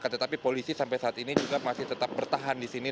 tetapi polisi sampai saat ini juga masih tetap bertahan di sini